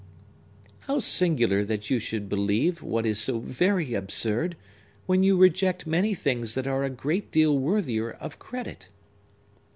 How singular that you should believe what is so very absurd, when you reject many things that are a great deal worthier of credit!"